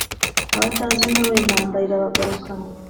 Abatari intore intambara irabagarukana.